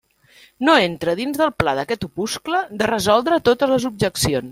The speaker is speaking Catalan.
No entra dins del pla d'aquest opuscle de resoldre totes les objeccions.